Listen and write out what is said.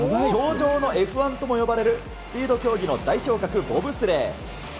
氷上のＦ１ともいわれるスピード競技の代表格、ボブスレー。